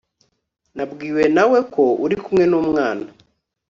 nabwiwe nawe ko uri kumwe numwana